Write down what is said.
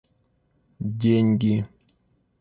деньги